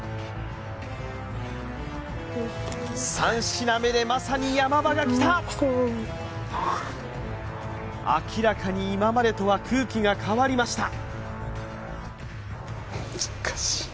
３品目でまさに山場がきた明らかに今までとは空気が変わりました